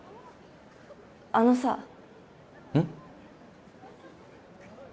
あのさうん？